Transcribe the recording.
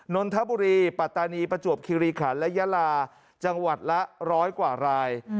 นนทบุรีปัตตานีประจวบคิริขันและยาลาจังหวัดละร้อยกว่าราย